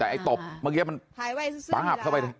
แต่ไอ้ตบเมื่อกี้มันป๊าบเข้าไป